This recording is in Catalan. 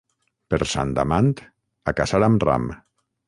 Per Sant Amand, a caçar amb ram.